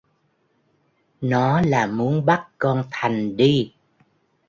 Nó là muốn bắt con Thành đi